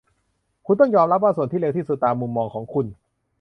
คุณต้องยอมรับว่าส่วนที่เลวที่สุดตามมุมมองของคุณ